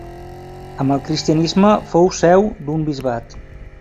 Amb el cristianisme fou seu d'un bisbat.